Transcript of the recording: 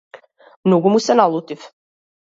Многу му се налутив.